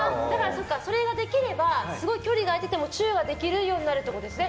それができればすごい距離が開いててもチューはできるようになるってことですね。